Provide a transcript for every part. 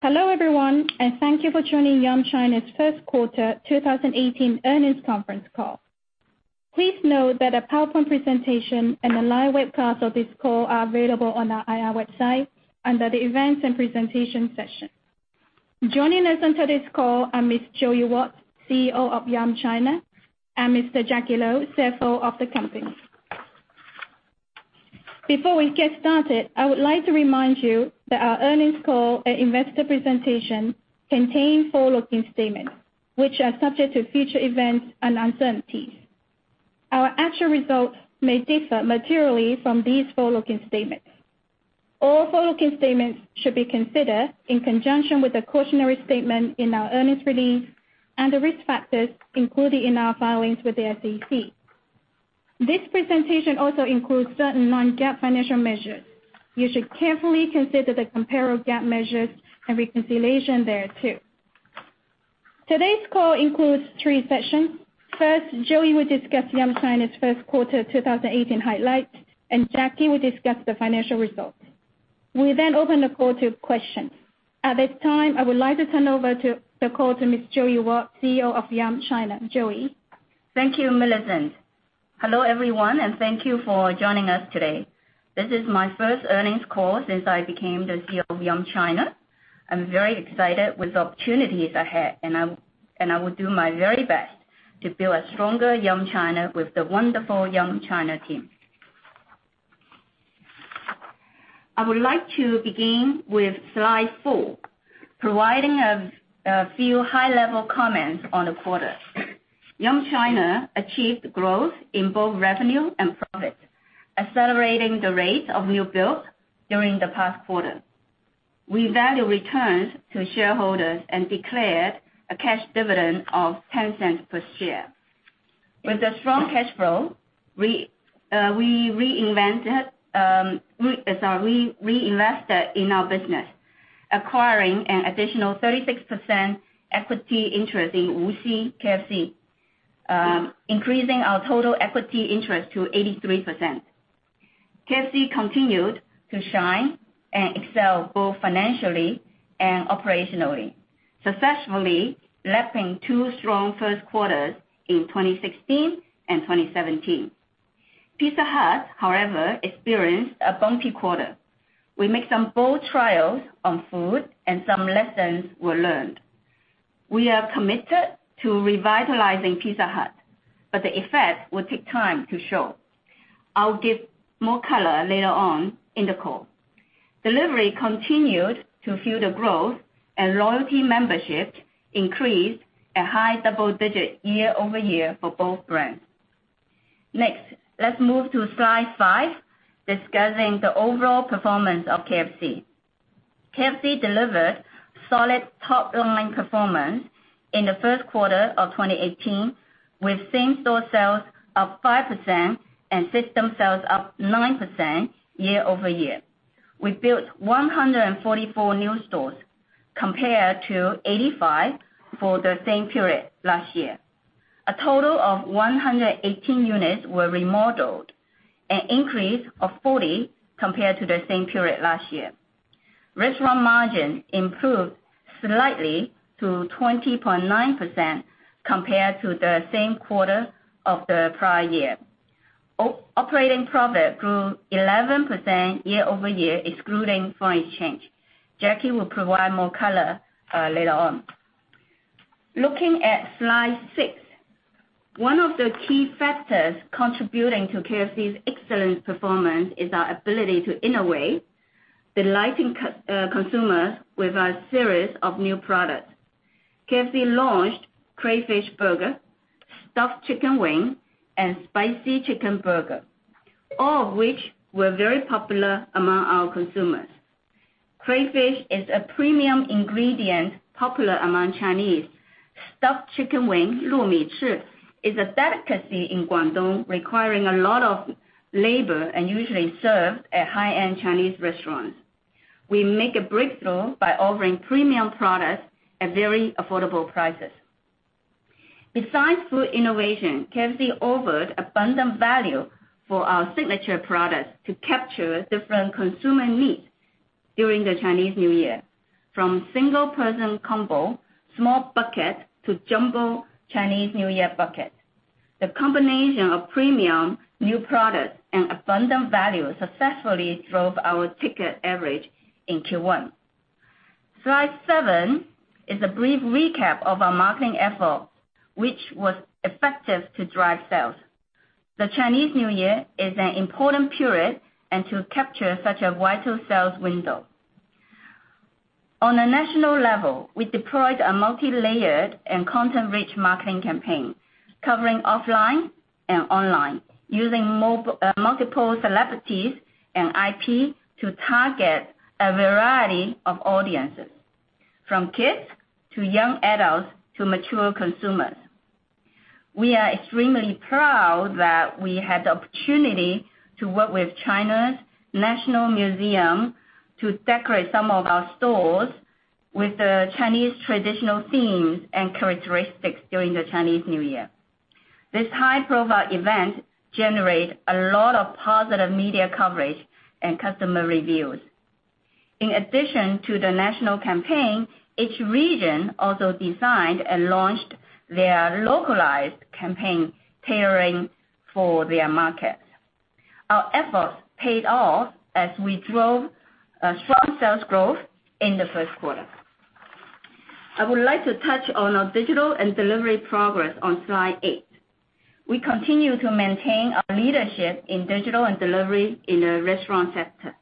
Hello, everyone, thank you for joining Yum China's first quarter 2018 earnings conference call. Please note that a PowerPoint presentation and the live webcast of this call are available on our IR website under the Events and Presentation section. Joining us on today's call are Ms. Joey Wat, CEO of Yum China, and Mr. Jacky Lo, CFO of the company. Before we get started, I would like to remind you that our earnings call and investor presentation contain forward-looking statements, which are subject to future events and uncertainties. Our actual results may differ materially from these forward-looking statements. All forward-looking statements should be considered in conjunction with the cautionary statement in our earnings release and the risk factors included in our filings with the SEC. This presentation also includes certain non-GAAP financial measures. You should carefully consider the comparable GAAP measures and reconciliation thereto. Today's call includes three sessions. First, Joey will discuss Yum China's first quarter 2018 highlights, Jacky will discuss the financial results. We'll open the call to questions. At this time, I would like to turn over the call to Ms. Joey Wat, CEO of Yum China. Joey? Thank you, Millicent. Hello, everyone, thank you for joining us today. This is my first earnings call since I became the CEO of Yum China. I'm very excited with the opportunities ahead, I will do my very best to build a stronger Yum China with the wonderful Yum China team. I would like to begin with slide four, providing a few high-level comments on the quarter. Yum China achieved growth in both revenue and profit, accelerating the rate of new build during the past quarter. We value returns to shareholders and declared a cash dividend of 0.10 per share. With a strong cash flow, we reinvested in our business, acquiring an additional 36% equity interest in Wuxi KFC, increasing our total equity interest to 83%. KFC continued to shine and excel both financially and operationally, successfully lapping two strong first quarters in 2016 and 2017. Pizza Hut, however, experienced a bumpy quarter. We made some bold trials on food, some lessons were learned. We are committed to revitalizing Pizza Hut, but the effect will take time to show. I'll give more color later on in the call. Delivery continued to fuel the growth, loyalty memberships increased a high double-digit year-over-year for both brands. Next, let's move to slide five, discussing the overall performance of KFC. KFC delivered solid top-line performance in the first quarter of 2018, with same-store sales up 5% and system sales up 9% year-over-year. We built 144 new stores, compared to 85 for the same period last year. A total of 118 units were remodeled, an increase of 40 compared to the same period last year. Restaurant margin improved slightly to 20.9% compared to the same quarter of the prior year. Operating profit grew 11% year-over-year, excluding foreign exchange. Jacky will provide more color later on. Looking at slide six. One of the key factors contributing to KFC's excellent performance is our ability to innovate, delighting consumers with our series of new products. KFC launched crayfish burger, stuffed chicken wing, and spicy chicken burger, all of which were very popular among our consumers. Crayfish is a premium ingredient popular among Chinese. Stuffed chicken wing, Lo mai chi, is a delicacy in Guangdong, requiring a lot of labor and usually served at high-end Chinese restaurants. We make a breakthrough by offering premium products at very affordable prices. Besides food innovation, KFC offered abundant value for our signature products to capture different consumer needs during the Chinese New Year. From single-person combo, small bucket, to jumbo Chinese New Year bucket. The combination of premium new products and abundant value successfully drove our ticket average in Q1. Slide seven is a brief recap of our marketing effort, which was effective to drive sales. The Chinese New Year is an important period and to capture such a vital sales window. On a national level, we deployed a multi-layered and content-rich marketing campaign covering offline and online, using multiple celebrities and IP to target a variety of audiences, from kids to young adults to mature consumers. We are extremely proud that we had the opportunity to work with National Museum of China to decorate some of our stores with the Chinese traditional themes and characteristics during the Chinese New Year. This high-profile event generated a lot of positive media coverage and customer reviews. In addition to the national campaign, each region also designed and launched their localized campaign tailoring for their markets. Our efforts paid off as we drove a strong sales growth in the first quarter. I would like to touch on our digital and delivery progress on slide eight. We continue to maintain our leadership in digital and delivery in the restaurant sector.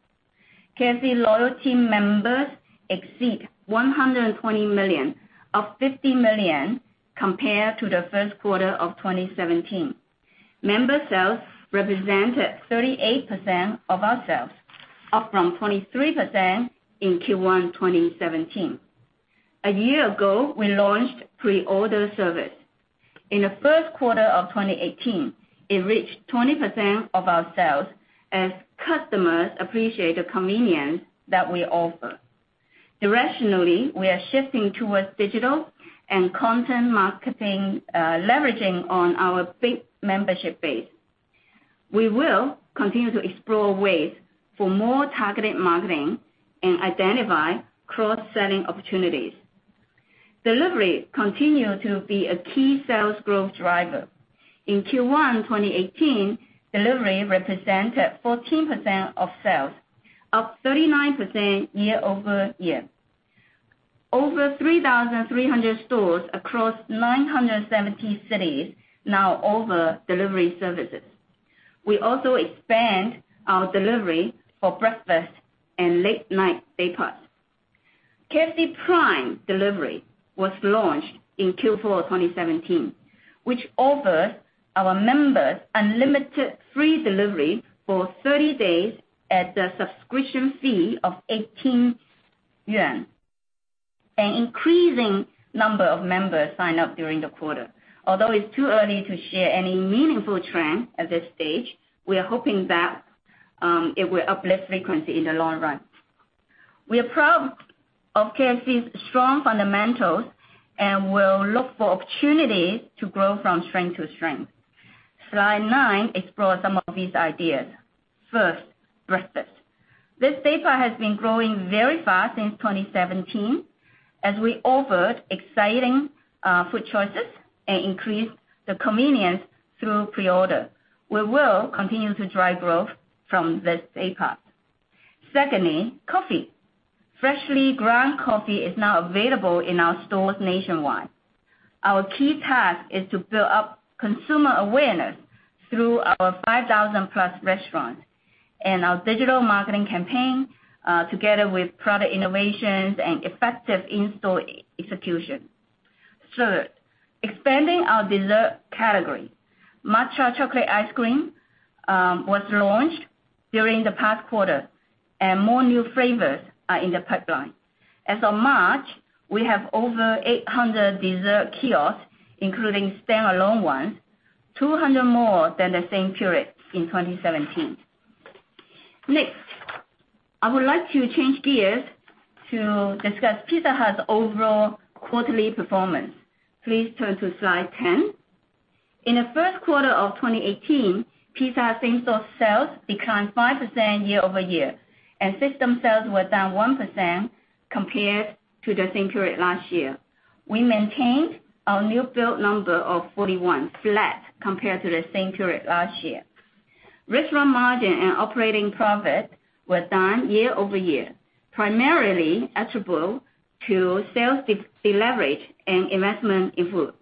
KFC loyalty members exceed 120 million, up 50 million compared to the first quarter of 2017. Member sales represented 38% of our sales, up from 23% in Q1 2017. A year ago, we launched pre-order service. In the first quarter of 2018, it reached 20% of our sales as customers appreciate the convenience that we offer. Directionally, we are shifting towards digital and content marketing, leveraging on our big membership base. We will continue to explore ways for more targeted marketing and identify cross-selling opportunities. Delivery continued to be a key sales growth driver. In Q1 2018, delivery represented 14% of sales, up 39% year-over-year. Over 3,300 stores across 970 cities now offer delivery services. We also expand our delivery for breakfast and late-night day parts. KFC Prime delivery was launched in Q4 2017, which offers our members unlimited free delivery for 30 days at the subscription fee of 18 yuan. An increasing number of members signed up during the quarter. Although it's too early to share any meaningful trend at this stage, we are hoping that it will uplift frequency in the long run. We are proud of KFC's strong fundamentals and will look for opportunities to grow from strength to strength. Slide nine explores some of these ideas. First, breakfast. This day part has been growing very fast since 2017 as we offered exciting food choices and increased the convenience through pre-order. We will continue to drive growth from this day part. Secondly, coffee. Freshly ground coffee is now available in our stores nationwide. Our key task is to build up consumer awareness through our 5,000-plus restaurants and our digital marketing campaign, together with product innovations and effective in-store execution. Third, expanding our dessert category. Matcha chocolate ice cream was launched during the past quarter, and more new flavors are in the pipeline. As of March, we have over 800 dessert kiosks, including standalone ones, 200 more than the same period in 2017. Next, I would like to change gears to discuss Pizza Hut's overall quarterly performance. Please turn to slide ten. In the first quarter of 2018, Pizza Hut same-store sales declined 5% year-over-year, and system sales were down 1% compared to the same period last year. We maintained our new build number of 41, flat compared to the same period last year. Restaurant margin and operating profit were down year-over-year, primarily attributable to sales deleverage and investment in food.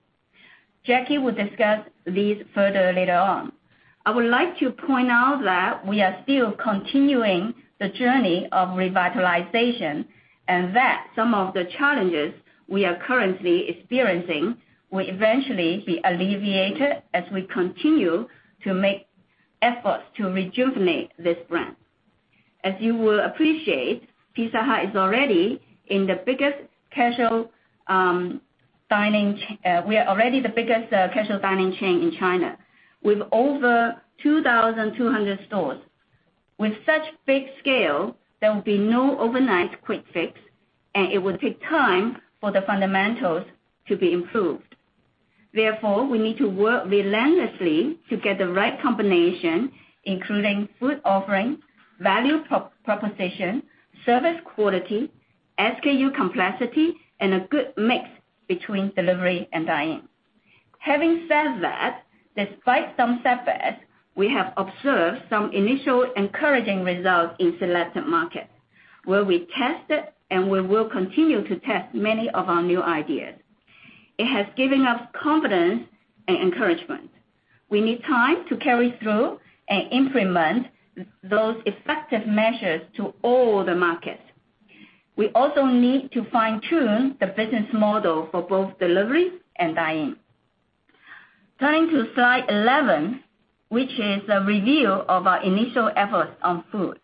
Jacky will discuss these further later on. I would like to point out that we are still continuing the journey of revitalization, and that some of the challenges we are currently experiencing will eventually be alleviated as we continue to make efforts to rejuvenate this brand. As you will appreciate, Pizza Hut is already in the biggest casual dining chain in China, with over 2,200 stores. With such big scale, there will be no overnight quick fix, and it will take time for the fundamentals to be improved. Therefore, we need to work relentlessly to get the right combination, including food offering, value proposition, service quality, SKU complexity, and a good mix between delivery and dine-in. Having said that, despite some setbacks, we have observed some initial encouraging results in selected markets where we tested and we will continue to test many of our new ideas. It has given us confidence and encouragement. We need time to carry through and implement those effective measures to all the markets. We also need to fine-tune the business model for both delivery and dine-in. Turning to slide 11, which is a review of our initial efforts on food.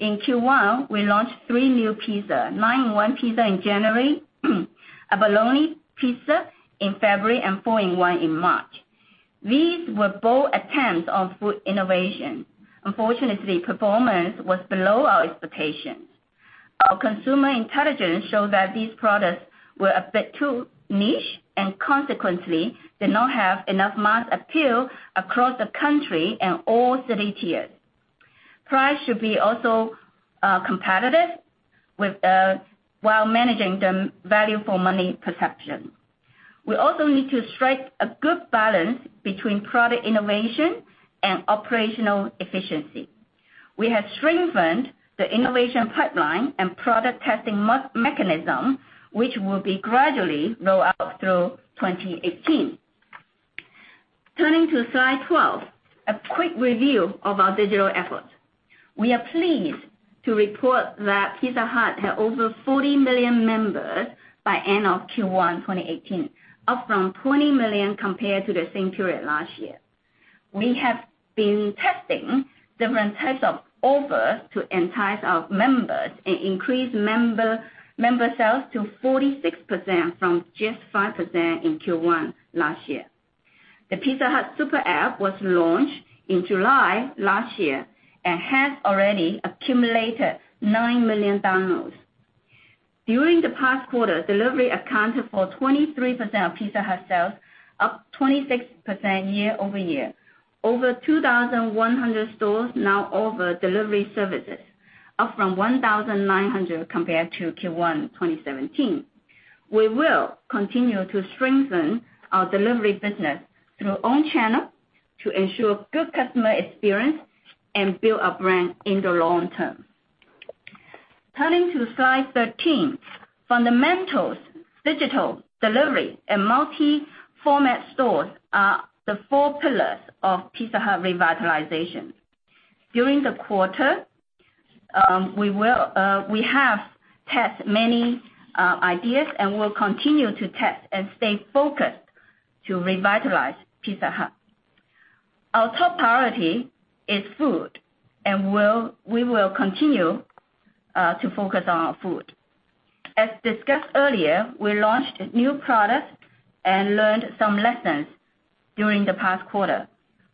In Q1, we launched three new pizza, nine-in-one pizza in January, a bologna pizza in February, and four-in-one in March. These were bold attempts on food innovation. Unfortunately, performance was below our expectations. Our consumer intelligence shows that these products were a bit too niche and consequently did not have enough mass appeal across the country and all city tiers. Price should be also competitive while managing the value for money perception. We also need to strike a good balance between product innovation and operational efficiency. We have strengthened the innovation pipeline and product testing mechanism, which will be gradually rolled out through 2018. Turning to slide 12, a quick review of our digital efforts. We are pleased to report that Pizza Hut had over 40 million members by end of Q1 2018, up from 20 million compared to the same period last year. The Pizza Hut Super App was launched in July last year and has already accumulated nine million downloads. During the past quarter, delivery accounted for 23% of Pizza Hut sales, up 26% year-over-year. Over 2,100 stores now offer delivery services, up from 1,900 compared to Q1 2017. We will continue to strengthen our delivery business through own channel to ensure good customer experience and build our brand in the long term. Turning to slide 13. Fundamentals, digital, delivery, and four pillars of Pizza Hut revitalization. During the quarter, we have tested many ideas and will continue to test and stay focused to revitalize Pizza Hut. Our top priority is food, and we will continue to focus on our food. As discussed earlier, we launched new products and learned some lessons during the past quarter.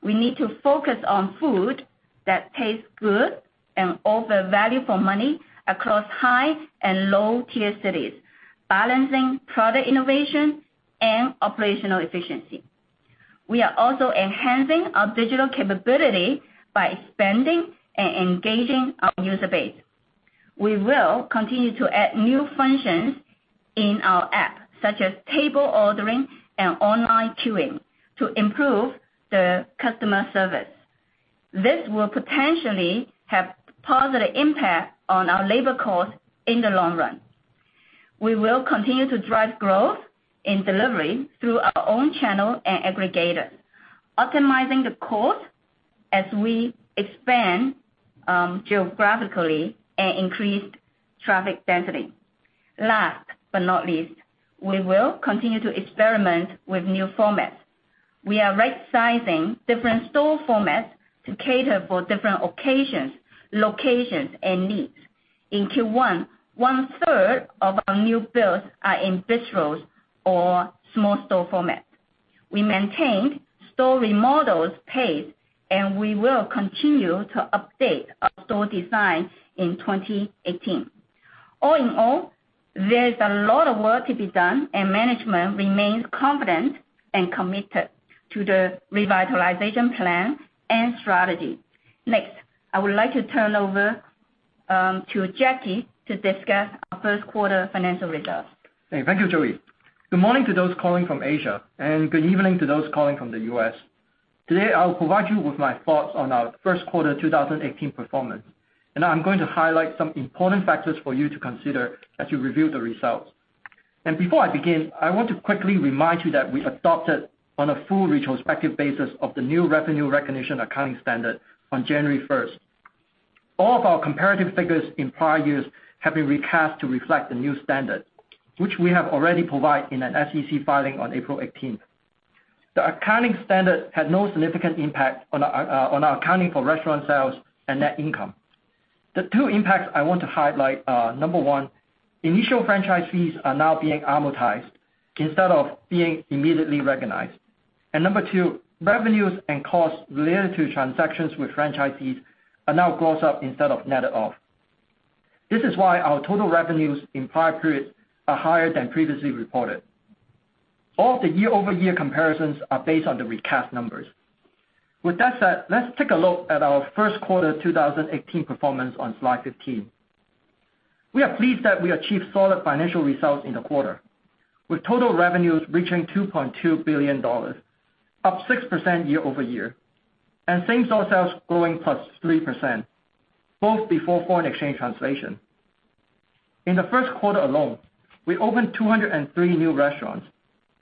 We need to focus on food that tastes good and offer value for money across high and low tier cities, balancing product innovation and operational efficiency. We are also enhancing our digital capability by expanding and engaging our user base. We will continue to add new functions in our app, such as table ordering and online queuing, to improve the customer service. This will potentially have positive impact on our labor cost in the long run. We will continue to drive growth in delivery through our own channel and aggregators, optimizing the cost as we expand geographically and increase traffic density. Last but not least, we will continue to experiment with new formats. We are right-sizing different store formats to cater for different occasions, locations, and needs into one. One-third of our new builds are in bistros or small store formats. We maintained store remodels pace, and we will continue to update our store design in 2018. All in all, there's a lot of work to be done, and management remains confident and committed to the revitalization plan and strategy. Next, I would like to turn over to Jacky to discuss our first quarter financial results. Thank you, Joey. Good morning to those calling from Asia, and good evening to those calling from the U.S. Today, I'll provide you with my thoughts on our first quarter 2018 performance, and I'm going to highlight some important factors for you to consider as you review the results. Before I begin, I want to quickly remind you that we adopted on a full retrospective basis of the new revenue recognition accounting standard on January 1st. All of our comparative figures in prior years have been recast to reflect the new standard, which we have already provided in an SEC filing on April 18th. The accounting standard had no significant impact on our accounting for restaurant sales and net income. The two impacts I want to highlight are, number 1, initial franchise fees are now being amortized instead of being immediately recognized. Number two, revenues and costs related to transactions with franchisees are now gross-up instead of net off. This is why our total revenues in prior periods are higher than previously reported. All of the year-over-year comparisons are based on the recast numbers. With that said, let's take a look at our first quarter 2018 performance on slide 15. We are pleased that we achieved solid financial results in the quarter, with total revenues reaching $2.2 billion, up 6% year-over-year, and same-store sales growing +3%, both before foreign exchange translation. In the first quarter alone, we opened 203 new restaurants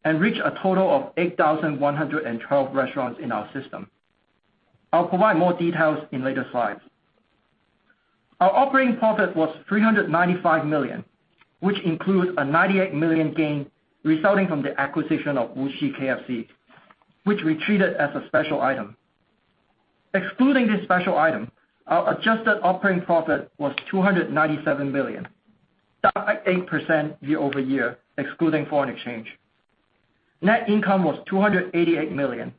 and reached a total of 8,112 restaurants in our system. I'll provide more details in later slides. Our operating profit was $395 million, which includes a $98 million gain resulting from the acquisition of Wuxi KFC, which we treated as a special item. Excluding this special item, our adjusted operating profit was $297 million, declined 8% year-over-year, excluding foreign exchange. Net income was $288 million,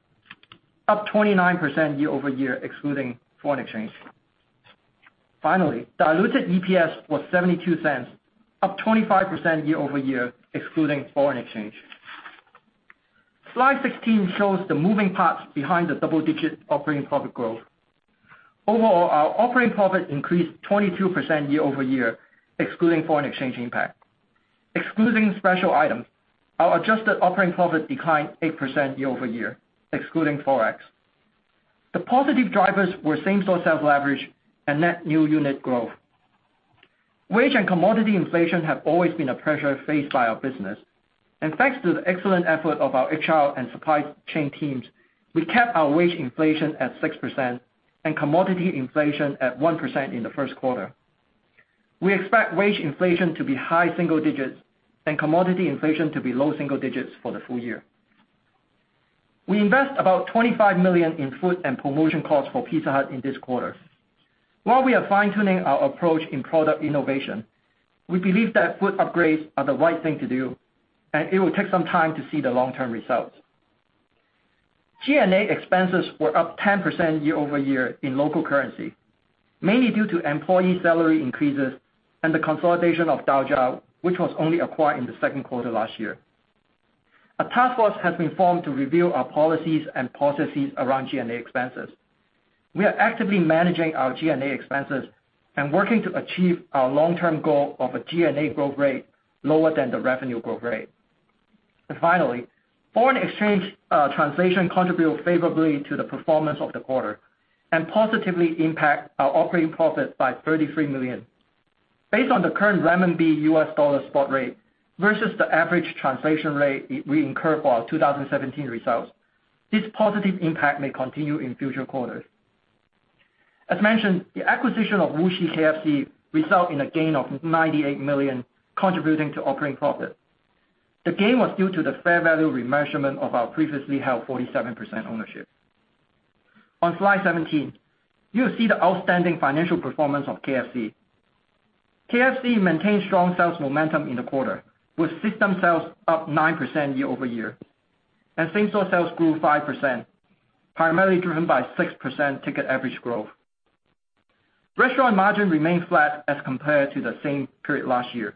up 29% year-over-year excluding foreign exchange. Finally, diluted EPS was $0.72, up 25% year-over-year excluding foreign exchange. Slide 16 shows the moving parts behind the double-digit operating profit growth. Overall, our operating profit increased 22% year-over-year excluding foreign exchange impact. Excluding special items, our adjusted operating profit declined 8% year-over-year excluding Forex. The positive drivers were same-store sales leverage and net new unit growth. Thanks to the excellent effort of our HR and supply chain teams, we kept our wage inflation at 6% and commodity inflation at 1% in the first quarter. We expect wage inflation to be high single digits and commodity inflation to be low single digits for the full year. We invest about $25 million in food and promotion costs for Pizza Hut in this quarter. While we are fine-tuning our approach in product innovation, we believe that food upgrades are the right thing to do, and it will take some time to see the long-term results. G&A expenses were up 10% year-over-year in local currency, mainly due to employee salary increases and the consolidation of Daojia, which was only acquired in the second quarter last year. A task force has been formed to review our policies and processes around G&A expenses. We are actively managing our G&A expenses and working to achieve our long-term goal of a G&A growth rate lower than the revenue growth rate. Finally, foreign exchange translation contributed favorably to the performance of the quarter, and positively impact our operating profit by $33 million. Based on the current renminbi-U.S. dollar spot rate versus the average translation rate we incurred for our 2017 results, this positive impact may continue in future quarters. As mentioned, the acquisition of Wuxi KFC resulted in a gain of $98 million contributing to operating profit. The gain was due to the fair value remeasurement of our previously held 47% ownership. On slide 17, you will see the outstanding financial performance of KFC. KFC maintained strong sales momentum in the quarter with system sales up 9% year-over-year, and same-store sales grew 5%, primarily driven by 6% ticket average growth. Restaurant margin remained flat as compared to the same period last year,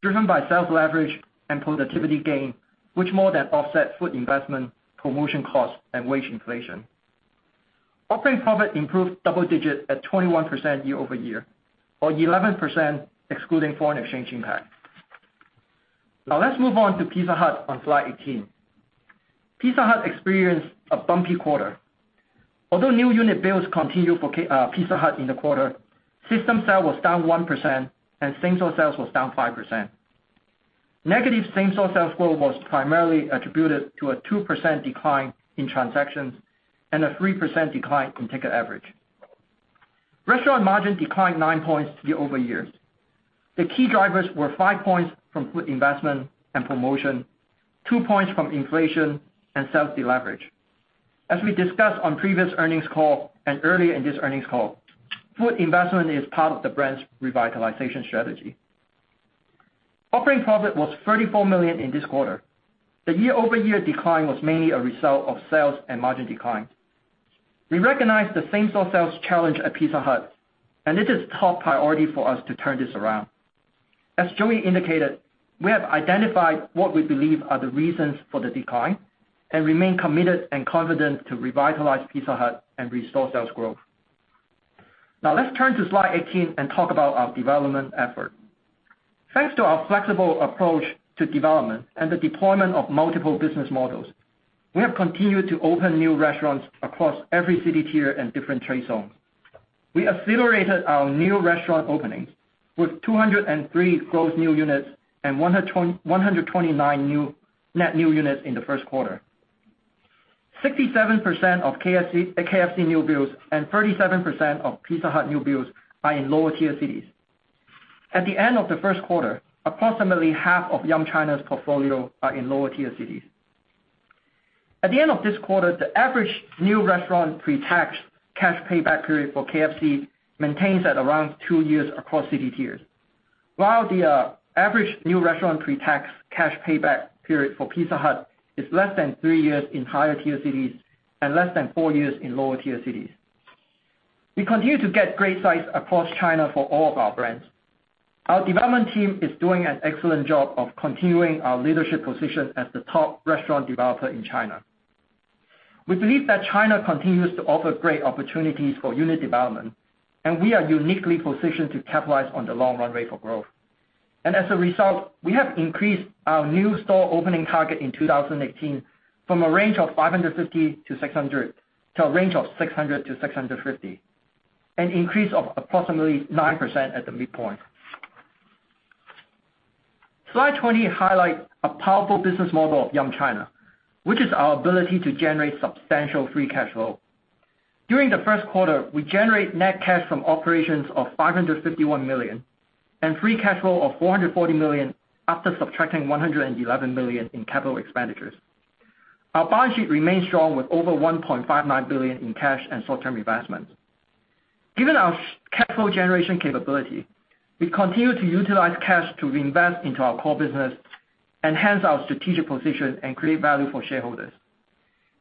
driven by sales leverage and productivity gain, which more than offset food investment, promotion costs and wage inflation. Operating profit improved double digit at 21% year-over-year, or 11% excluding foreign exchange impact. Now let's move on to Pizza Hut on slide 18. Pizza Hut experienced a bumpy quarter. Although new unit builds continued for Pizza Hut in the quarter, system sale was down 1% and same-store sales was down 5%. Negative same-store sales growth was primarily attributed to a 2% decline in transactions and a 3% decline in ticket average. Restaurant margin declined 9 points year-over-year. The key drivers were 5 points from food investment and promotion, 2 points from inflation, and sales deleverage. As we discussed on previous earnings call and earlier in this earnings call, food investment is part of the brand's revitalization strategy. Operating profit was 34 million in this quarter. The year-over-year decline was mainly a result of sales and margin decline. We recognize the same-store sales challenge at Pizza Hut, and it is top priority for us to turn this around. As Joey indicated, we have identified what we believe are the reasons for the decline, and remain committed and confident to revitalize Pizza Hut and restore sales growth. Let's turn to slide 18 and talk about our development effort. Thanks to our flexible approach to development and the deployment of multiple business models, we have continued to open new restaurants across every city tier and different trade zone. We accelerated our new restaurant openings with 203 growth new units and 129 net new units in the first quarter. 67% of KFC new builds and 37% of Pizza Hut new builds are in lower tier cities. At the end of the first quarter, approximately half of Yum China's portfolio are in lower tier cities. At the end of this quarter, the average new restaurant pre-tax cash payback period for KFC maintains at around two years across city tiers. While the average new restaurant pre-tax cash payback period for Pizza Hut is less than three years in higher tier cities and less than four years in lower tier cities. We continue to get great sites across China for all of our brands. Our development team is doing an excellent job of continuing our leadership position as the top restaurant developer in China. We believe that China continues to offer great opportunities for unit development, and we are uniquely positioned to capitalize on the long run rate for growth. As a result, we have increased our new store opening target in 2018 from a range of 550-600, to a range of 600-650, an increase of approximately 9% at the midpoint. Slide 20 highlights a powerful business model of Yum China, which is our ability to generate substantial free cash flow. During the first quarter, we generate net cash from operations of 551 million, and free cash flow of 440 million after subtracting 111 million in capital expenditures. Our balance sheet remains strong with over 1.59 billion in cash and short-term investments. Given our cash flow generation capability, we continue to utilize cash to reinvest into our core business, enhance our strategic position, and create value for shareholders.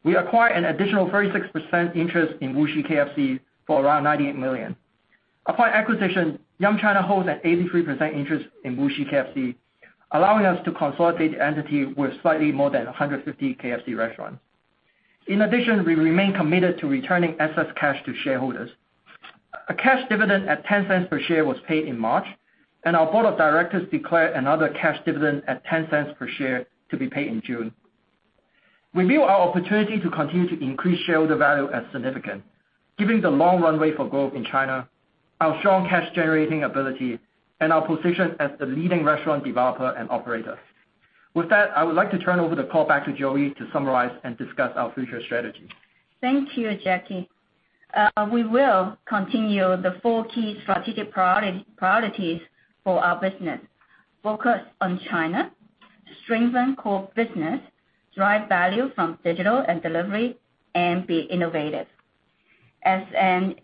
We acquired an additional 36% interest in Wuxi KFC for around 98 million. Upon acquisition, Yum China holds an 83% interest in Wuxi KFC, allowing us to consolidate the entity with slightly more than 150 KFC restaurants. In addition, we remain committed to returning excess cash to shareholders. A cash dividend at 0.10 per share was paid in March, and our board of directors declared another cash dividend at 0.10 per share to be paid in June. We view our opportunity to continue to increase shareholder value as significant, given the long runway for growth in China, our strong cash-generating ability, and our position as the leading restaurant developer and operator. With that, I would like to turn over the call back to Joey to summarize and discuss our future strategy. Thank you, Jacky. We will continue the four key strategic priorities for our business. Focus on China, strengthen core business, drive value from digital and delivery, and be innovative. At an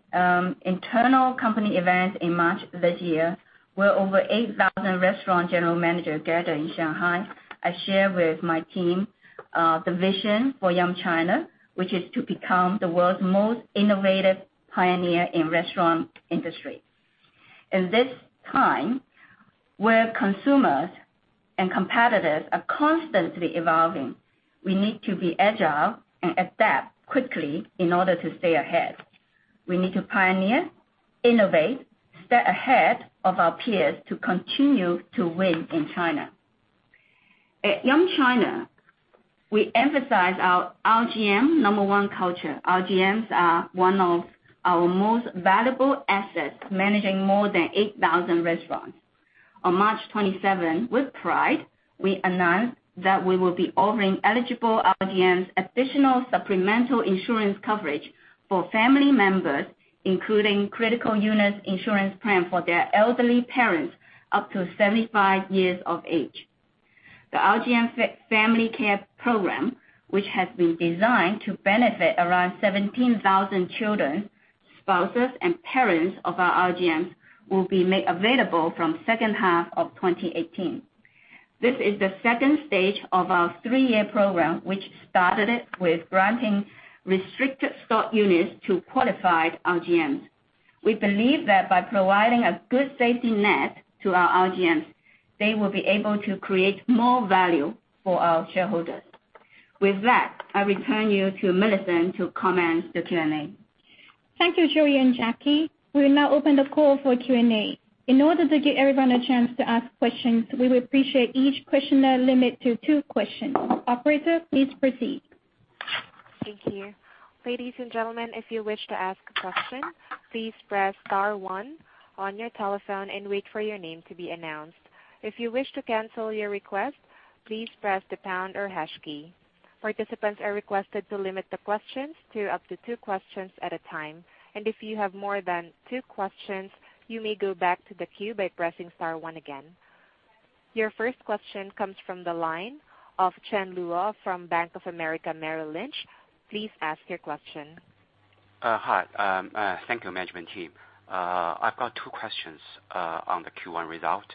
internal company event in March this year, where over 8,000 restaurant general managers gathered in Shanghai, I shared with my team the vision for Yum China, which is to become the world's most innovative pioneer in restaurant industry. In this time, where consumers and competitors are constantly evolving, we need to be agile and adapt quickly in order to stay ahead. We need to pioneer, innovate, stay ahead of our peers to continue to win in China. At Yum China, we emphasize our RGM number 1 culture. RGMs are one of our most valuable assets, managing more than 8,000 restaurants. On March 27, with pride, we announced that we will be offering eligible RGMs additional supplemental insurance coverage for family members, including critical illness insurance plan for their elderly parents up to 75 years of age. The RGM Family Care Program, which has been designed to benefit around 17,000 children, spouses, and parents of our RGMs, will be made available from second half of 2018. This is the second stage of our three-year program, which started it with granting restricted stock units to qualified RGMs. We believe that by providing a good safety net to our RGMs, they will be able to create more value for our shareholders. With that, I return you to Millicent to commence the Q&A. Thank you, Joey and Jacky. We will now open the call for Q&A. In order to give everyone a chance to ask questions, we would appreciate each questioner limit to two questions. Operator, please proceed. Thank you. Ladies and gentlemen, if you wish to ask a question, please press star one on your telephone and wait for your name to be announced. If you wish to cancel your request, please press the pound or hash key. Participants are requested to limit the questions to up to two questions at a time. If you have more than two questions, you may go back to the queue by pressing star one again. Your first question comes from the line of Chen Luo from Bank of America Merrill Lynch. Please ask your question. Hi. Thank you, management team. I've got two questions on the Q1 result.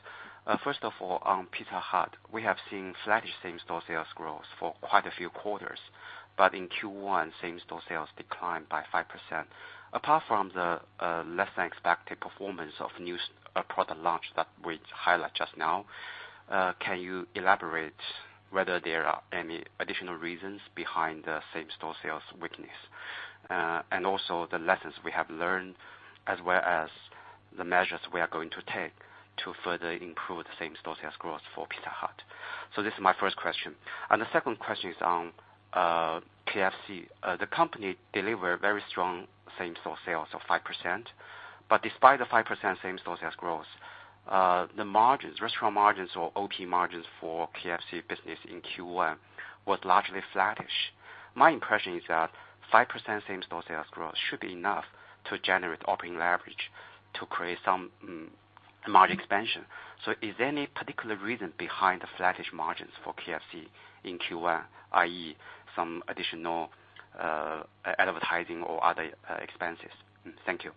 First of all, on Pizza Hut, we have seen flattish same-store sales growth for quite a few quarters. In Q1, same-store sales declined by 5%. Apart from the less than expected performance of new product launch that we highlight just now, can you elaborate whether there are any additional reasons behind the same-store sales weakness? Also the lessons we have learned as well as the measures we are going to take to further improve the same-store sales growth for Pizza Hut. This is my first question. The second question is on KFC. The company delivered very strong same-store sales of 5%. Despite the 5% same-store sales growth, the restaurant margins or OP margins for KFC business in Q1 was largely flattish. My impression is that 5% same-store sales growth should be enough to generate operating leverage to create some margin expansion. Is there any particular reason behind the flattish margins for KFC in Q1, i.e. some additional advertising or other expenses? Thank you.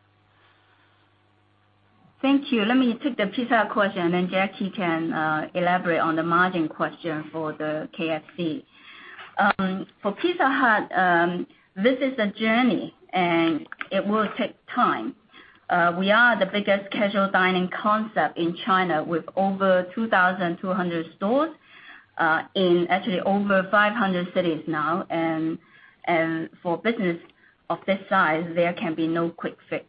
Thank you. Let me take the Pizza Hut question. Then Jacky can elaborate on the margin question for the KFC. For Pizza Hut, this is a journey. It will take time. We are the biggest casual dining concept in China, with over 2,200 stores in actually over 500 cities now. For business of this size, there can be no quick fix.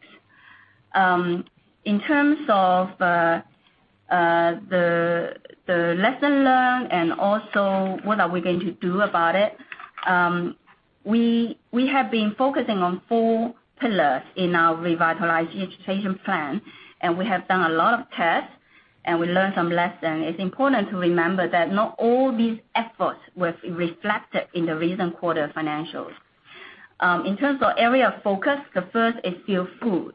In terms of the lesson learned and also what are we going to do about it, we have been focusing on four pillars in our revitalization plan. We have done a lot of tests. We learned some lessons. It's important to remember that not all these efforts were reflected in the recent quarter financials. In terms of area of focus, the first is still food.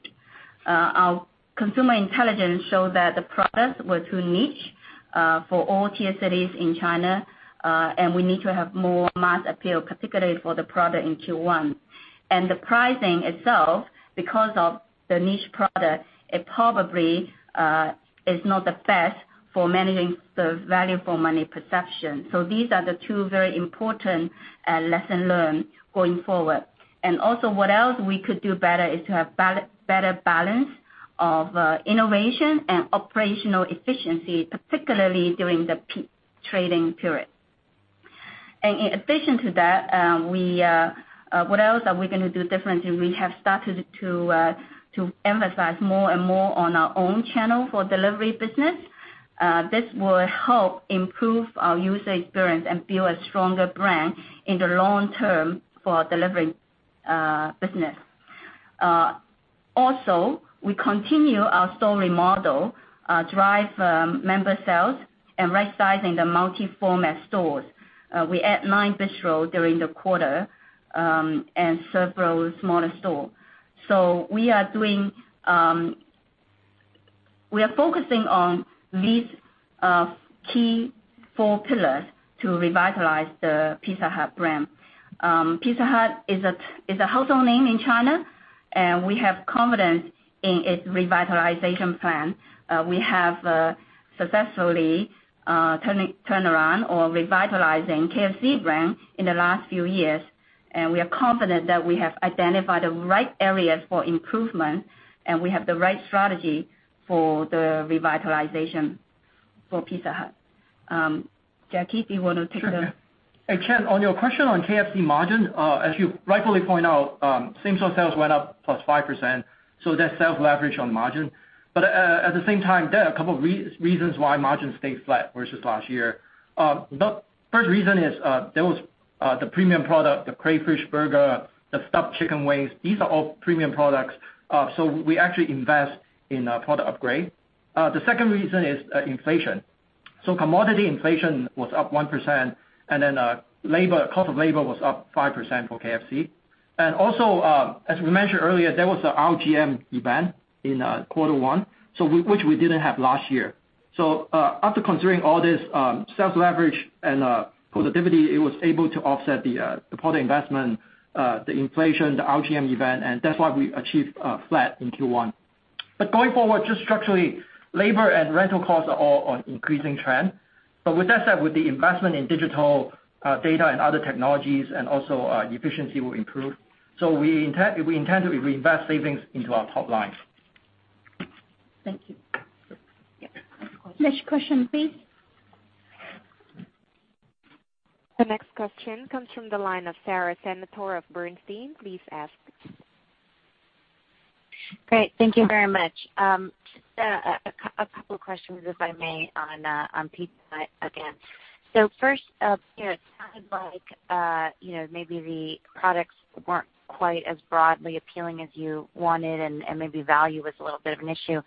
Our Consumer intelligence showed that the product was too niche for all tier cities in China, and we need to have more mass appeal, particularly for the product in Q1. The pricing itself, because of the niche product, it probably is not the best for managing the value for money perception. These are the two very important lesson learned going forward. Also, what else we could do better is to have better balance of innovation and operational efficiency, particularly during the peak trading period. In addition to that, what else are we going to do differently, we have started to emphasize more and more on our own channel for delivery business. This will help improve our user experience and build a stronger brand in the long term for delivery business. Also, we continue our store remodel, drive member sales, and rightsizing the multi-format stores. We add nine bistro during the quarter, and several smaller store. We are focusing on these key four pillars to revitalize the Pizza Hut brand. Pizza Hut is a household name in China, and we have confidence in its revitalization plan. We have successfully turnaround or revitalizing KFC brand in the last few years, and we are confident that we have identified the right areas for improvement, and we have the right strategy for the revitalization for Pizza Hut. Jacky, do you want to take a? Sure. Hey, Chen, on your question on KFC margin, as you rightfully point out, same-store sales went up +5%, so that sales leverage on margin. At the same time, there are a couple of reasons why margin stayed flat versus last year. The first reason is, there was the premium product, the crayfish burger, the stuffed chicken wings. These are all premium products, so we actually invest in product upgrade. The second reason is inflation. Commodity inflation was up 1%, and then cost of labor was up 5% for KFC. Also, as we mentioned earlier, there was a RGM event in quarter one, which we didn't have last year. After considering all this sales leverage and positivity, it was able to offset the product investment, the inflation, the RGM event, and that's why we achieved flat in Q1. Going forward, just structurally, labor and rental costs are all on increasing trend. With that said, with the investment in digital data and other technologies and also efficiency will improve. We intend to reinvest savings into our top line. Thank you. Next question, please. The next question comes from the line of Sara Senatore of Bernstein. Please ask. Great. Thank you very much. Just a couple of questions, if I may, on Pizza Hut again. First, it sounded like maybe the products weren't quite as broadly appealing as you wanted and maybe value was a little bit of an issue.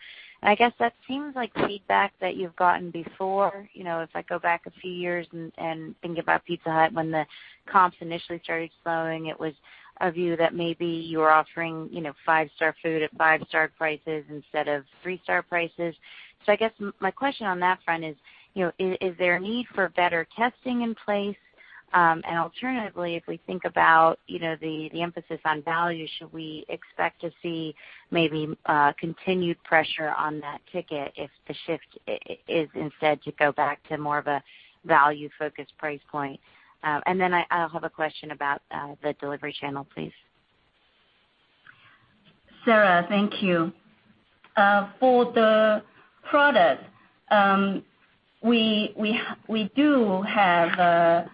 I guess that seems like feedback that you've gotten before. If I go back a few years and think about Pizza Hut when the comps initially started slowing, it was a view that maybe you were offering five-star food at five-star prices instead of three-star prices. I guess my question on that front is there a need for better testing in place? Alternatively, if we think about the emphasis on value, should we expect to see maybe continued pressure on that ticket if the shift is instead to go back to more of a value-focused price point? Then I have a question about the delivery channel, please. Sara, thank you. For the product, we do have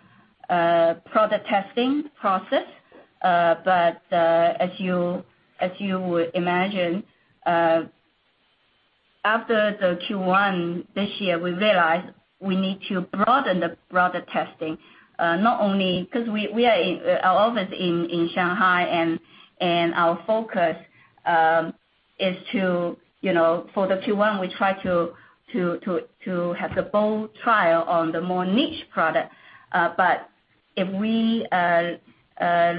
a product testing process. As you would imagine, after the Q1 this year, we realized we need to broaden the product testing. Our office in Shanghai and our focus is to, for the Q1, we try to have the bold trial on the more niche product. If we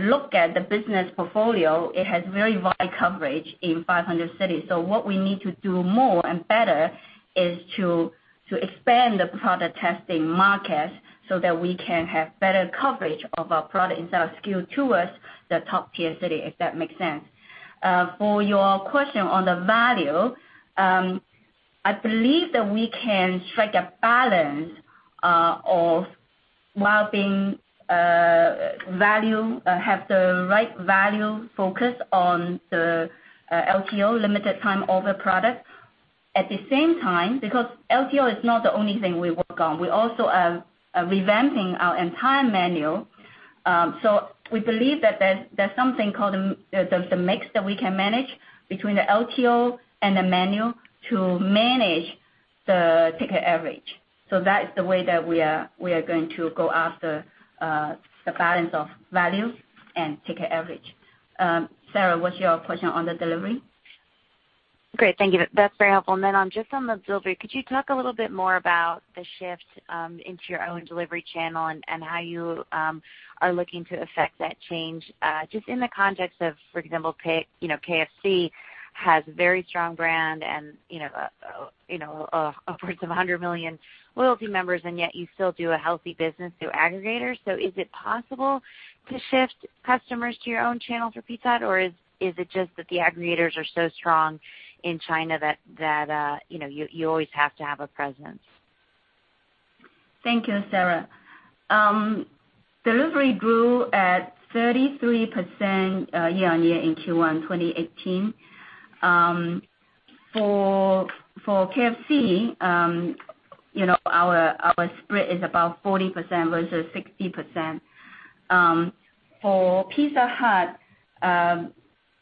look at the business portfolio, it has very wide coverage in 500 cities. What we need to do more and better is to expand the product testing market so that we can have better coverage of our product and sell skill to us the top tier city, if that makes sense. For your question on the value, I believe that we can strike a balance of while have the right value focus on the LTO, limited time offer product. At the same time, because LTO is not the only thing we work on. We also are revamping our entire menu. We believe that there's something called the mix that we can manage between the LTO and the menu to manage the ticket average. That is the way that we are going to go after the balance of value and ticket average. Sara, what's your question on the delivery? Great. Thank you. That's very helpful. Then just on the delivery, could you talk a little bit more about the shift into your own delivery channel and how you are looking to affect that change? Just in the context of, for example, KFC has very strong brand and upwards of 100 million loyalty members, and yet you still do a healthy business through aggregators. Is it possible to shift customers to your own channels for Pizza Hut, or is it just that the aggregators are so strong in China that you always have to have a presence? Thank you, Sara. Delivery grew at 33% year-over-year in Q1 2018. For KFC, our spread is about 40% versus 60%. For Pizza Hut, I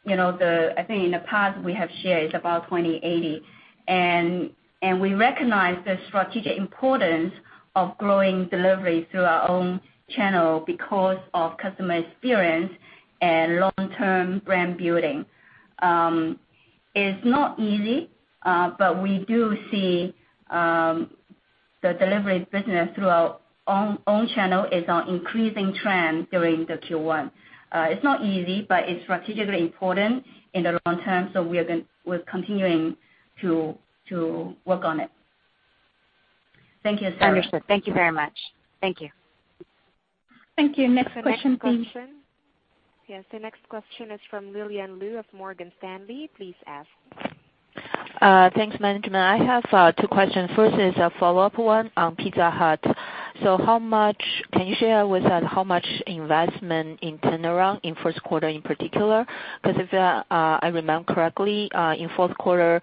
think in the past we have shared about 20/80. We recognize the strategic importance of growing delivery through our own channel because of customer experience and long-term brand building. It's not easy, but we do see the delivery business through our own channel is on increasing trend during the Q1. It's not easy, but it's strategically important in the long term, we're continuing to work on it. Thank you, Sara. Understood. Thank you very much. Thank you. Thank you. Next question, please. The next question. Yes, the next question is from Lillian Lou of Morgan Stanley. Please ask. Thanks, management. I have two questions. First is a follow-up one on Pizza Hut. Can you share with us how much investment in turnaround in first quarter in particular? Because if I remember correctly, in fourth quarter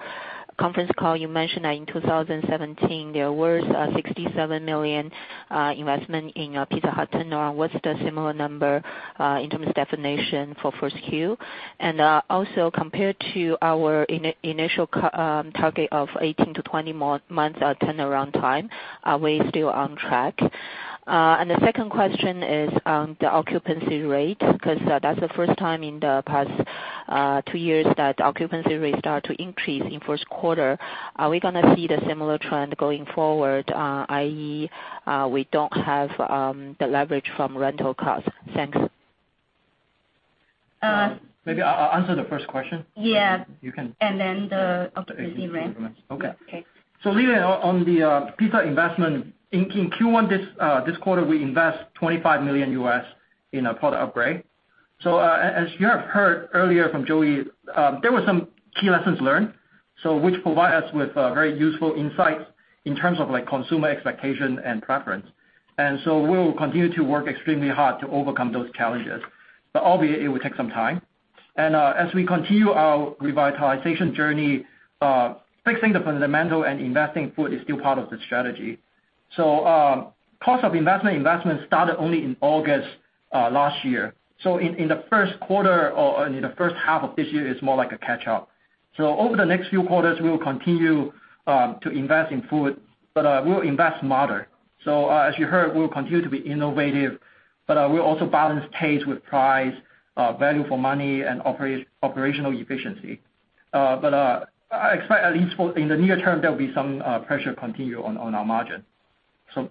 conference call, you mentioned that in 2017, there was 67 million investment in Pizza Hut turnaround. What's the similar number in terms of definition for first Q? Compared to our initial target of 18 to 20 months turnaround time, are we still on track? The second question is on the occupancy rate, because that's the first time in the past two years that occupancy rates start to increase in first quarter. Are we going to see the similar trend going forward, i.e., we don't have the leverage from rental costs? Thanks. Maybe I'll answer the first question. Yeah. You can- The occupancy rate. Okay. Okay. Lillian, on the Pizza investment, in Q1 this quarter, we invest $25 million US in a product upgrade. As you have heard earlier from Joey, there were some key lessons learned, which provide us with very useful insights in terms of consumer expectation and preference. We will continue to work extremely hard to overcome those challenges. Albeit, it will take some time. As we continue our revitalization journey, fixing the fundamental and investing in food is still part of the strategy. Cost of investment started only in August last year. In the first quarter or in the first half of this year, it is more like a catch-up. Over the next few quarters, we will continue to invest in food, but we will invest smarter. As you heard, we will continue to be innovative, we will also balance taste with price, value for money, and operational efficiency. I expect at least in the near term, there will be some pressure continue on our margin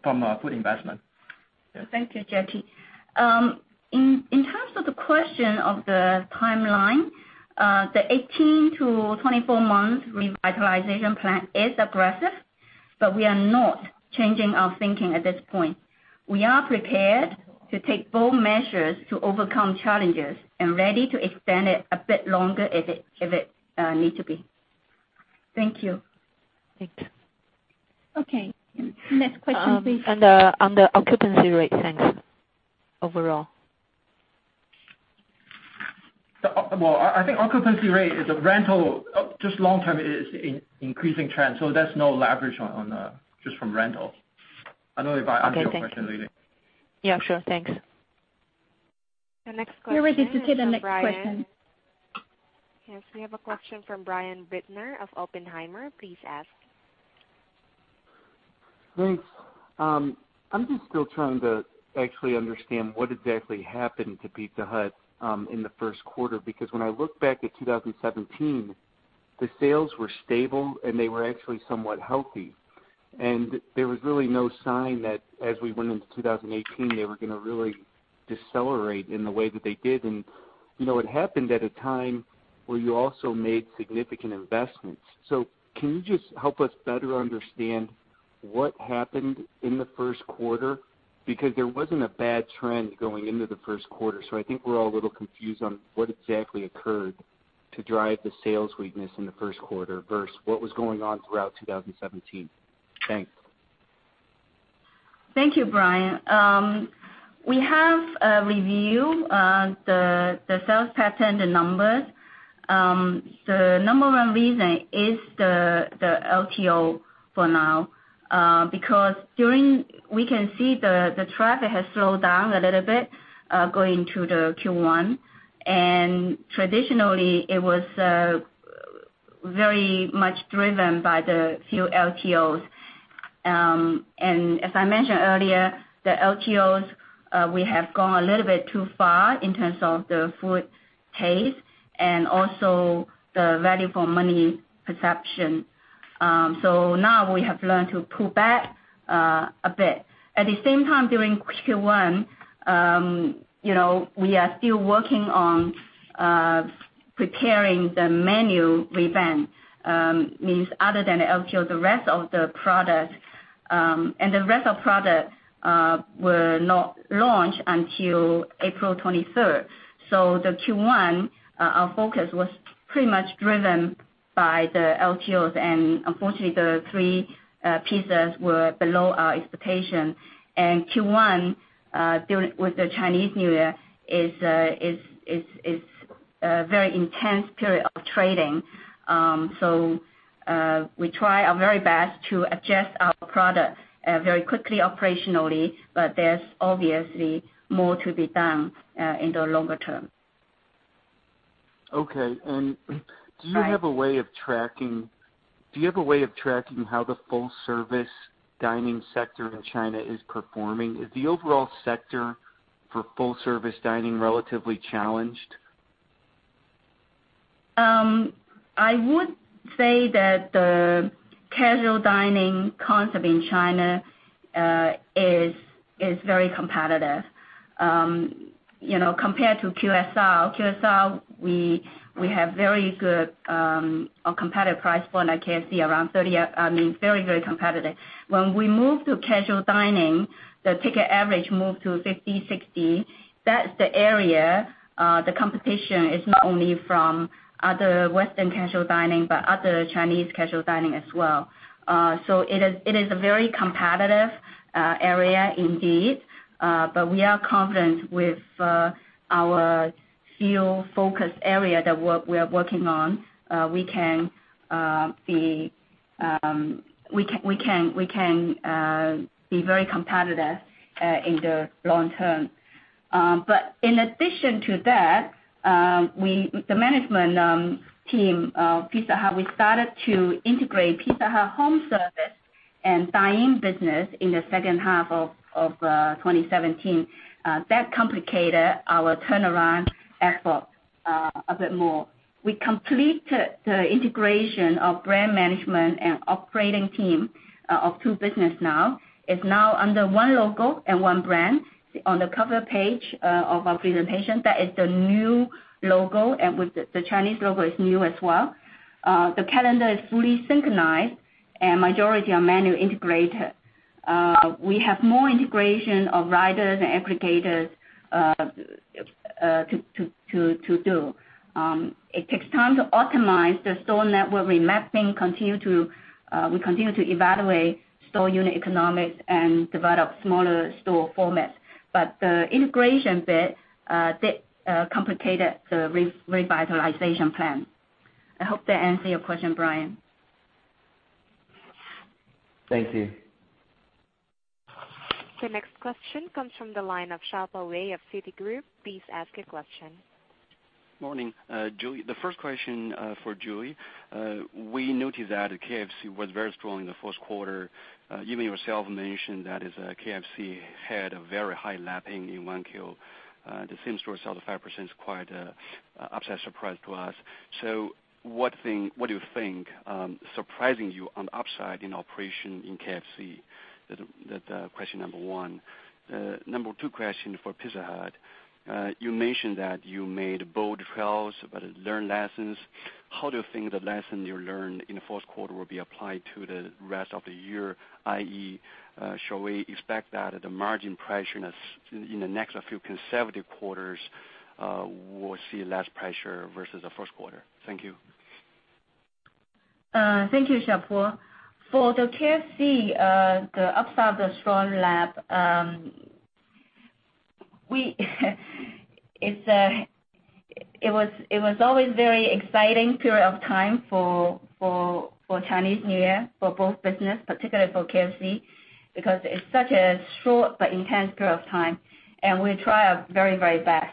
from food investment. Thank you, Jacky. In terms of the question of the timeline, the 18-24 months revitalization plan is aggressive, we are not changing our thinking at this point. We are prepared to take bold measures to overcome challenges and ready to extend it a bit longer if it need to be. Thank you. Thanks. Okay. Next question, please. The occupancy rate. Thanks. Overall. Well, I think occupancy rate is a rental, just long-term is increasing trend. There's no leverage just from rentals. I don't know if I answered your question, Lillian. Okay, thank you. Yeah, sure. Thanks. The next question from Brian. We're ready to take the next question. Yes, we have a question from Brian Bittner of Oppenheimer. Please ask. Thanks. I'm just still trying to actually understand what exactly happened to Pizza Hut in the first quarter, because when I look back at 2017, the sales were stable, and they were actually somewhat healthy. There was really no sign that as we went into 2018, they were going to really decelerate in the way that they did. It happened at a time where you also made significant investments. Can you just help us better understand what happened in the first quarter? Because there wasn't a bad trend going into the first quarter. I think we're all a little confused on what exactly occurred to drive the sales weakness in the first quarter versus what was going on throughout 2017. Thanks. Thank you, Brian. We have reviewed the sales pattern, the numbers. The number one reason is the LTO for now, because we can see the traffic has slowed down a little bit, going into the Q1, and traditionally, it was very much driven by the few LTOs. As I mentioned earlier, the LTOs, we have gone a little bit too far in terms of the food taste and also the value for money perception. Now we have learned to pull back a bit. At the same time, during Q1, we are still working on preparing the menu revamp. Means other than LTO, the rest of the product. The rest of product were not launched until April 23rd. The Q1, our focus was pretty much driven by the LTOs, and unfortunately, the three pizzas were below our expectation. Q1, with the Chinese New Year is a very intense period of trading. We try our very best to adjust our product very quickly operationally, but there's obviously more to be done in the longer term. Okay. Right. Do you have a way of tracking how the full-service dining sector in China is performing? Is the overall sector for full-service dining relatively challenged? I would say that the casual dining concept in China is very competitive. Compared to QSR, we have very good or competitive price point at KFC, very competitive. When we move to casual dining, the ticket average move to 50, 60. That's the area. The competition is not only from other Western casual dining, but other Chinese casual dining as well. It is a very competitive area indeed. We are confident with our few focus area that we are working on. We can be very competitive in the long term. In addition to that, the management team of Pizza Hut, we started to integrate Pizza Hut home service and dine-in business in the second half of 2017. That complicated our turnaround effort a bit more. We complete the integration of brand management and operating team of two business now. It's now under one logo and one brand. On the cover page of our presentation, that is the new logo, and the Chinese logo is new as well. The calendar is fully synchronized and majority of menu integrated. We have more integration of riders and aggregators to do. It takes time to optimize the store network remapping. We continue to evaluate store unit economics and develop smaller store formats. The integration bit complicated the revitalization plan. I hope that answered your question, Brian. Thank you. The next question comes from the line of Xiaopo Wei of Citigroup. Please ask your question. Morning. The first question for Joey. We noticed that KFC was very strong in the first quarter. Even yourself mentioned that KFC had a very high lapping in 1Q. The same-store sale of 5% is quite an upside surprise to us. What do you think surprising you on the upside in operation in KFC? That is question number 1. Number 2 question for Pizza Hut. You mentioned that you made bold trials, learned lessons. How do you think the lesson you learned in the fourth quarter will be applied to the rest of the year, i.e., shall we expect that the margin pressure in the next few conservative quarters, we will see less pressure versus the first quarter? Thank you. Thank you, Xiaopo. The KFC, the upside of the strong lap, it was always very exciting period of time for Chinese New Year for both business, particularly for KFC, because it is such a short but intense period of time, and we try our very best.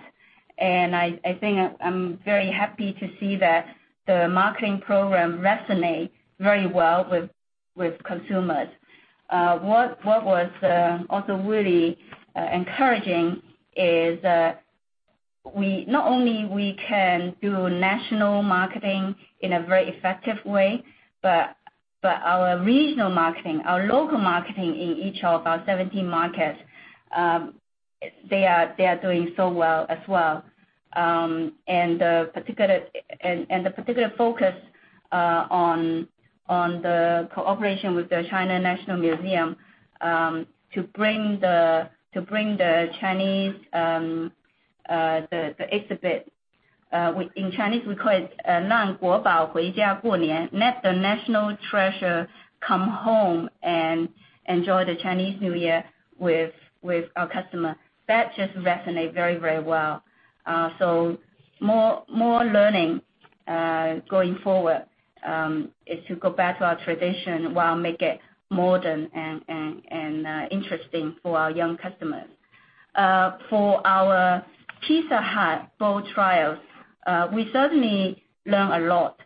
I think I am very happy to see that the marketing program resonate very well with consumers. What was also really encouraging is not only we can do national marketing in a very effective way, but our regional marketing, our local marketing in each of our 17 markets, they are doing so well as well. The particular focus on the cooperation with the National Museum of China, to bring the Chinese, the exhibit. In Chinese, we call it Let the national treasure come home and enjoy the Chinese New Year with our customer. That just resonate very well. More learning going forward is to go back to our tradition while make it modern and interesting for our young customers. For our Pizza Hut bold trials, we certainly learn a lot,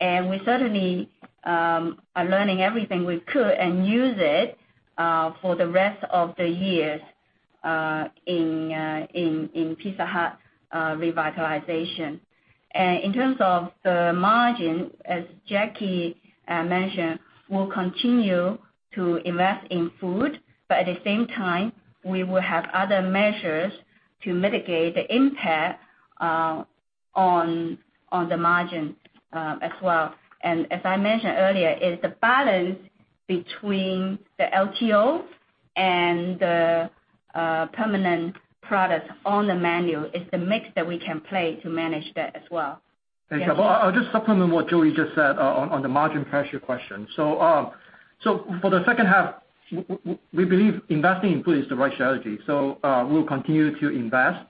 and we certainly are learning everything we could and use it for the rest of the year in Pizza Hut revitalization. In terms of the margin, as Jacky mentioned, we'll continue to invest in food, but at the same time, we will have other measures to mitigate the impact on the margin as well. As I mentioned earlier, it's the balance between the LTO and the permanent products on the menu, it's the mix that we can play to manage that as well. Thank you. I'll just supplement what Joey just said on the margin pressure question. For the second half, we believe investing in food is the right strategy. We'll continue to invest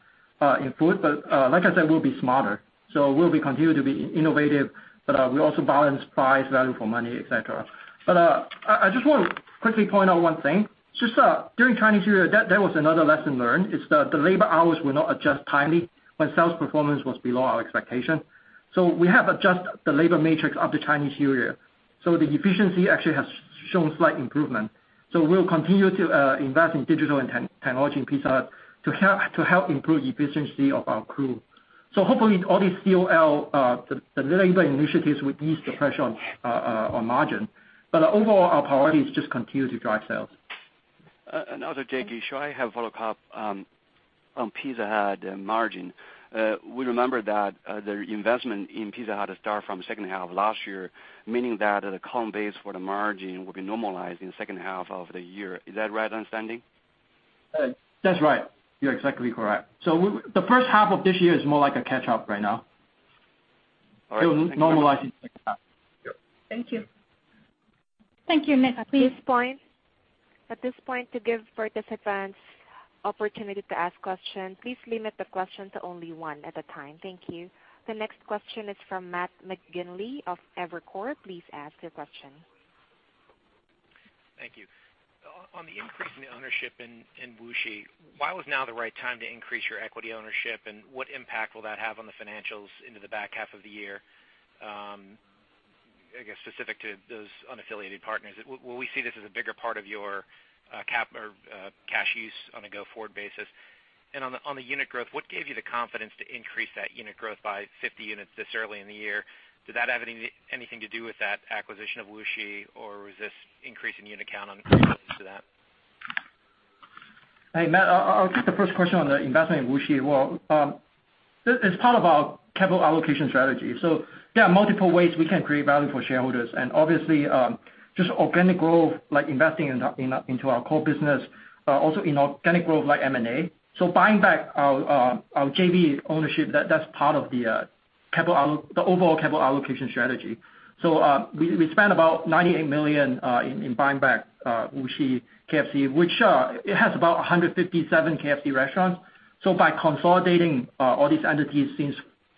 in food, but like I said, we'll be smarter. We'll be continued to be innovative, but we also balance price, value for money, et cetera. I just want to quickly point out one thing. Just during Chinese New Year, there was another lesson learned, it's that the labor hours were not adjusted timely when sales performance was below our expectation. We have adjusted the labor matrix after Chinese New Year. The efficiency actually has shown slight improvement. We'll continue to invest in digital and technology in Pizza Hut to help improve efficiency of our crew. Hopefully all these COL, the labor initiatives, will ease the pressure on margin. Overall, our priority is just continue to drive sales. Also, Jacky, should I have follow-up on Pizza Hut margin? We remember that the investment in Pizza Hut start from second half of last year, meaning that the comp base for the margin will be normalized in second half of the year. Is that right understanding? That's right. You're exactly correct. The first half of this year is more like a catch-up right now. All right. It will normalize in second half. Yep. Thank you. Thank you. Next, please. At this point to give participants opportunity to ask questions, please limit the question to only one at a time. Thank you. The next question is from Matt McGinley of Evercore. Please ask your question. Thank you. On the increase in ownership in Wuxi, why was now the right time to increase your equity ownership, and what impact will that have on the financials into the back half of the year? I guess, specific to those unaffiliated partners, will we see this as a bigger part of your cash use on a go-forward basis? On the unit growth, what gave you the confidence to increase that unit growth by 50 units this early in the year? Did that have anything to do with that acquisition of Wuxi or was this increase in unit count on to that? Hey, Matt, I'll take the first question on the investment in Wuxi. Well, it's part of our capital allocation strategy. There are multiple ways we can create value for shareholders, Obviously, just organic growth, like investing into our core business, also inorganic growth like M&A. Buying back our JV ownership, that's part of the overall capital allocation strategy. We spent about 98 million in buying back Wuxi KFC, which it has about 157 KFC restaurants. By consolidating all these entities since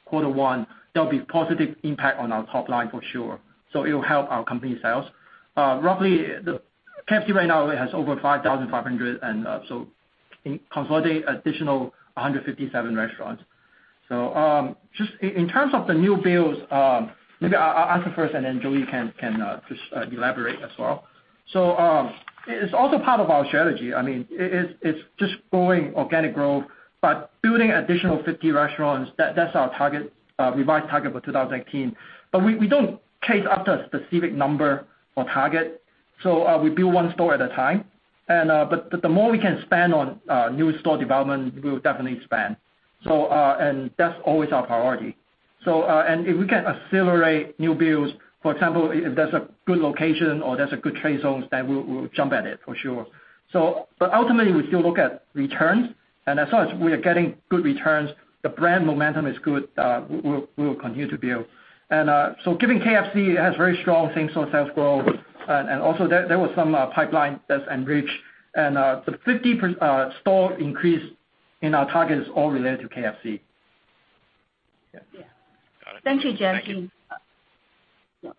quarter one, there'll be positive impact on our top line for sure. It will help our company sales. Roughly, KFC right now has over 5,500, consolidating additional 157 restaurants. Just in terms of the new builds, maybe I'll answer first, and then Joey can just elaborate as well. It's also part of our strategy. I mean, it's just growing organic growth, but building additional 50 restaurants, that's our revised target for 2018. We don't chase after a specific number or target. We build one store at a time. The more we can spend on new store development, we will definitely spend. That's always our priority. If we can accelerate new builds, for example, if there's a good location or there's a good trade zones, we'll jump at it for sure. Ultimately, we still look at returns, and as long as we are getting good returns, the brand momentum is good, we will continue to build. Given KFC has very strong same-store sales growth, and also there was some pipeline that's enriched, and the 50 store increase in our target is all related to KFC. Yeah. Got it. Thank you, Jacky. Thank you.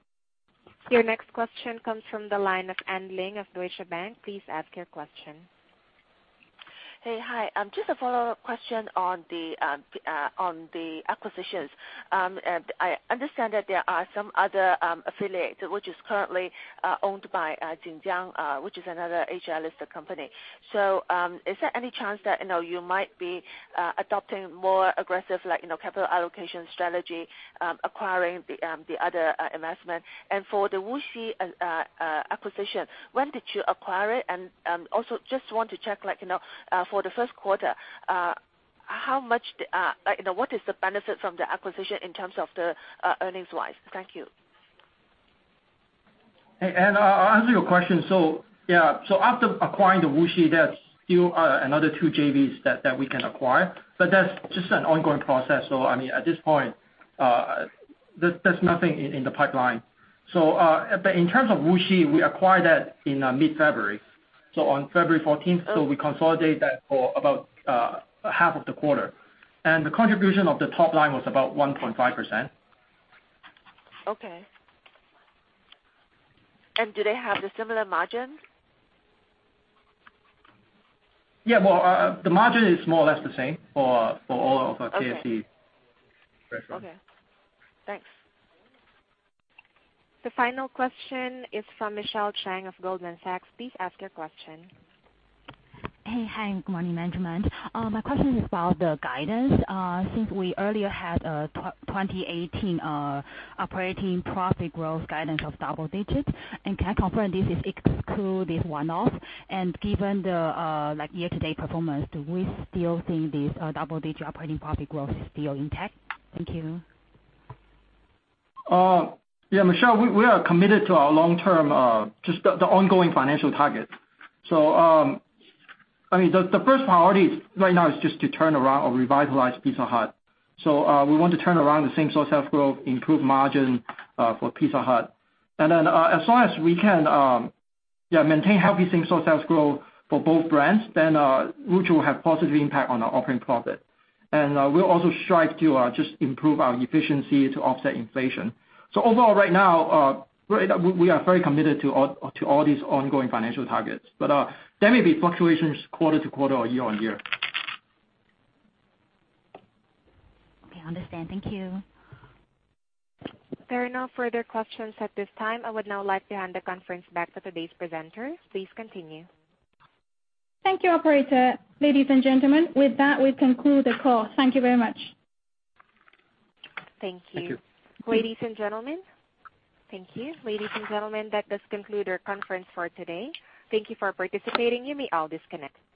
Your next question comes from the line of Anne Ling of Deutsche Bank. Please ask your question. Hey. Hi. Just a follow-up question on the acquisitions. I understand that there are some other affiliates which is currently owned by Xinjiang, which is another Asia-listed company. Is there any chance that you might be adopting more aggressive capital allocation strategy, acquiring the other investment? For the Wuxi acquisition, when did you acquire it? Also just want to check for the 1st quarter, what is the benefit from the acquisition in terms of the earnings-wise? Thank you. Hey, Anne, I'll answer your question. Yeah. After acquiring the Wuxi, there's still another two JVs that we can acquire, but that's just an ongoing process. I mean, at this point, there's nothing in the pipeline. In terms of Wuxi, we acquired that in mid-February, on February 14th. We consolidate that for about half of the quarter. The contribution of the top line was about 1.5%. Okay. Do they have the similar margin? Yeah. Well, the margin is more or less the same for all of our KFC- Okay restaurants. Okay. Thanks. The final question is from Michelle Cheng of Goldman Sachs. Please ask your question. Hey. Hi, good morning, management. My question is about the guidance. Since we earlier had 2018 operating profit growth guidance of double digits, can I confirm this is exclude this one-off? Given the year-to-date performance, do we still see this double-digit operating profit growth is still intact? Thank you. Yeah, Michelle, we are committed to our long-term, just the ongoing financial target. I mean, the first priority right now is just to turn around or revitalize Pizza Hut. We want to turn around the same-store sales growth, improve margin for Pizza Hut. Then, as long as we can maintain healthy same-store sales growth for both brands, Wuxi will have positive impact on our operating profit. We'll also strive to just improve our efficiency to offset inflation. Overall, right now, we are very committed to all these ongoing financial targets. There may be fluctuations quarter-to-quarter or year-on-year. Okay, understand. Thank you. There are no further questions at this time. I would now like to hand the conference back to today's presenters. Please continue. Thank you, operator. Ladies and gentlemen, with that, we conclude the call. Thank you very much. Thank you. Thank you. Ladies and gentlemen. Thank you. Ladies and gentlemen, that does conclude our conference for today. Thank you for participating. You may all disconnect.